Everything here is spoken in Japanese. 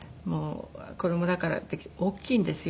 子供だからって大きいんですよ。